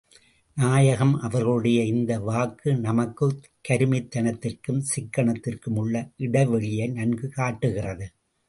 நாயகம் அவர்களுடைய இந்த வாக்கு நமக்குக் கருமித் தனத்திற்கும், சிக்கனத்திற்கும் உள்ள இடைவெளியை நன்கு காட்டுகிறது.